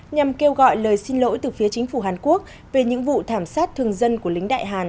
nhằm kêu gọi lời xin lỗi từ phía chính phủ hàn quốc về những vụ thảm sát thường dân của lính đại hàn